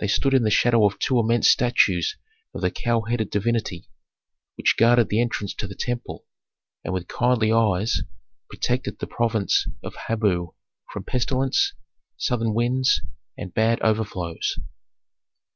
They stood in the shadow of two immense statues of the cow headed divinity which guarded the entrance to the temple and with kindly eyes protected the province of Habu from pestilence, southern winds, and bad overflows.